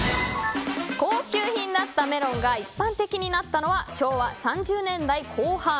高級品だったメロンが一般的になったのは昭和３０年代後半。